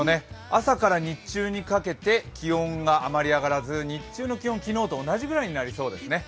朝から日中にかけて気温があまり上がらず日中の気温、昨日と同じぐらいになりそうですね。